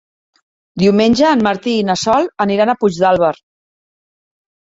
Diumenge en Martí i na Sol aniran a Puigdàlber.